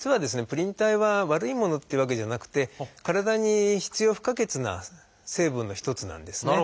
プリン体は悪いものっていうわけじゃなくて体に必要不可欠な成分の一つなんですね。